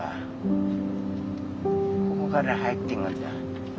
ここから入ってくんだ。